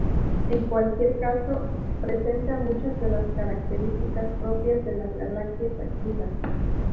En cualquier caso, presenta muchas de las características propias de las galaxias activas.